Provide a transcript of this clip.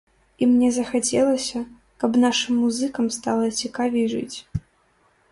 І мне захацелася, каб нашым музыкам стала цікавей жыць.